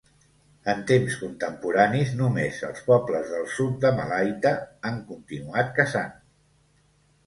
En temps contemporanis, només els pobles del sud de Malaita han continuat caçant.